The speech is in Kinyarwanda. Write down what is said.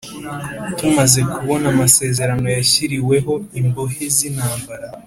Tumaze kubona amasezerano yashyiriweho imbohe zintambara